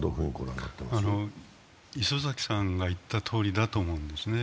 礒崎さんが言ったとおりだと思うんですね。